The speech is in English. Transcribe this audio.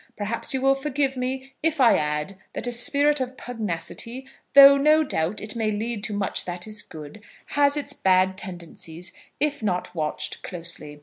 Perhaps you will forgive me if I add that a spirit of pugnacity, though no doubt it may lead to much that is good, has its bad tendencies if not watched closely.